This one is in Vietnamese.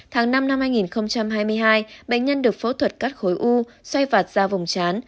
tháng năm năm hai nghìn hai mươi hai bệnh nhân được phẫu thuật cắt khối u xoay vạt ra vùng chán